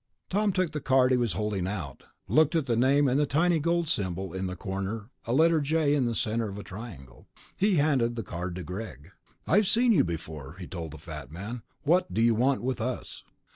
Tom took the card he was holding out, looked at the name and the tiny gold symbol in the corner, a letter "J" in the center of a triangle. He handed the card to Greg. "I've seen you before," he told the fat man. "What do you want with us?"